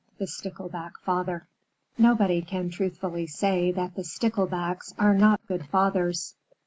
THE STICKLEBACK FATHER Nobody can truthfully say that the Sticklebacks are not good fathers.